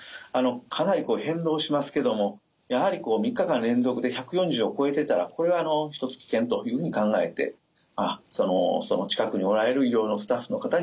かなり変動しますけどもやはり３日間連続で１４０を超えてたらこれはひとつ危険というふうに考えてその近くにおられる医療のスタッフの方に相談してほしいと思います。